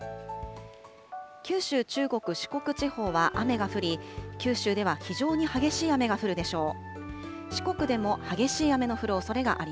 九州、中国、四国地方は雨が降り、九州では非常に激しい雨が降るでしょう。